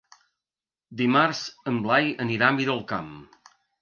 Dimarts en Blai anirà a Miralcamp.